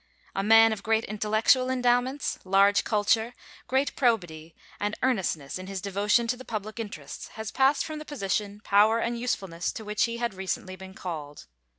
A man of great intellectual endowments, large culture, great probity and earnestness in his devotion to the public interests, has passed from the position, power, and usefulness to which he had been recently called.